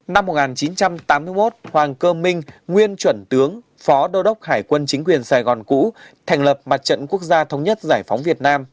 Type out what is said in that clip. năm một nghìn chín trăm tám mươi một hoàng cơ minh nguyên chuẩn tướng phó đô đốc hải quân chính quyền sài gòn cũ thành lập mặt trận quốc gia thống nhất giải phóng việt nam